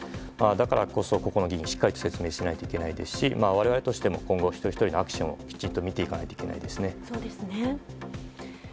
だからこそ、議員はしっかりと説明しないといけないですし我々としても一人ひとりのアクションを見ていかないといけないですね。